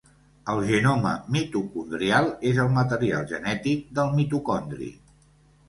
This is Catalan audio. El genoma mitocondrial és el material genètic del mitocondri.